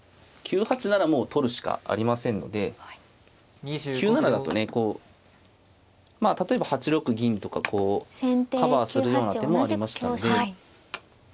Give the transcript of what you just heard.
９八ならもう取るしかありませんので９七だとねこう例えば８六銀とかこうカバーするような手もありましたんで。